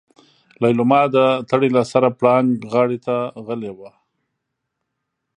ليلما د تړې له سره پړانګ غار ته غلې وه.